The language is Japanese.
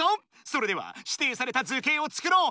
それではしていされた図形を作ろう！